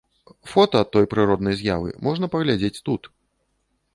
Фота той прыроднай з'явы можна паглядзець тут.